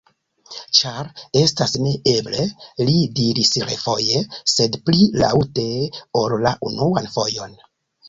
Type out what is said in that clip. Ĉar estas neeble! li diris refoje, sed pli laŭte ol la unuan fojon.